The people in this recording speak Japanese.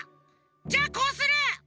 じゃあこうする！